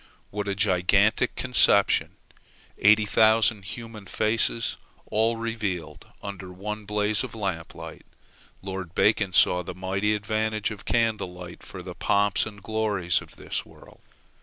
What a gigantic conception! Eighty thousand human faces all revealed under one blaze of lamp light! Lord Bacon saw the mighty advantage of candle light for the pomps and glories of this world.